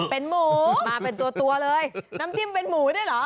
เป็นหมูมาเป็นตัวเลยน้ำจิ้มเป็นหมูด้วยเหรอ